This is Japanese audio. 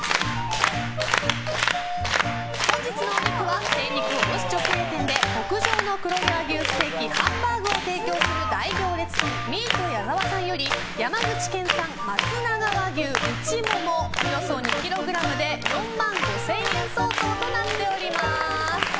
本日のお肉は精肉卸直営店で極上の黒毛和牛ステーキハンバーグを提供する大行列店ミート矢澤さんより山口県産まつなが和牛内モモ、およそ２ｋｇで４万５０００円相当になります。